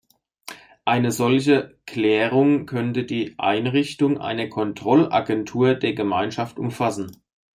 Eine solche Klärung könnte die Einrichtung einer Kontrollagentur der Gemeinschaft umfassen.